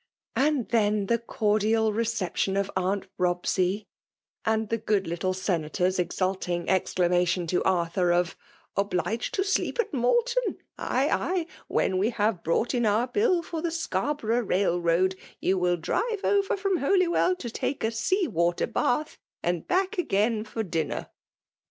And then the cordial reception of Aunt Bobsey, and the good little senator^s exulting eoDclamation to Arthur, of —<' Obliged to sleep at Malton ?— ay, ay !— when we have brought in our bill for the Scarborough rail*road, you will drive over from Holywell to take a sea water bath, and back again for dinner.'